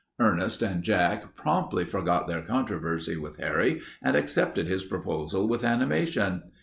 Ernest and Jack promptly forgot their controversy with Harry and accepted his proposal with animation.